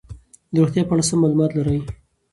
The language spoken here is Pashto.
د روغتیا په اړه سم معلومات لري.